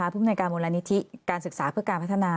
ผู้บริการบนรันนิษฐิการศึกษาเพื่อการพัฒนา